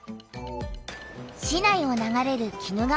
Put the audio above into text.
市内を流れる鬼怒川だよ。